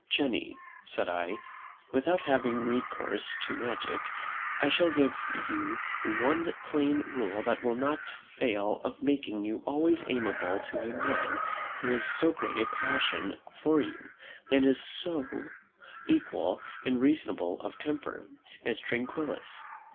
"Jenny," said I, "without having recourse to magic, I shall give you one plain rule that will not fail of making you always amiable to a man who has so great a passion for you, and is of so equal and reasonable a temper, as Tranquillus.